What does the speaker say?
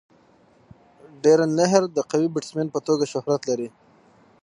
ډیرن لیهر د قوي بيټسمېن په توګه شهرت لري.